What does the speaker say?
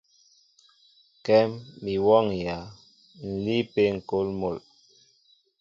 Kɛ́m mi wɔ́ŋyǎ, ǹ líí ápé ŋ̀kôl mol.